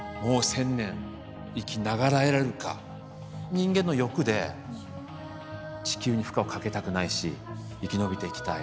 人間の欲で地球に負荷をかけたくないし生き延びていきたい。